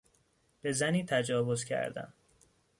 به زنی تجاوز کردن